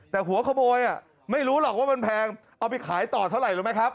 แต่หัวขโมยไม่รู้หรอกว่ามันแพงเอาไปขายต่อเท่าไหร่รู้ไหมครับ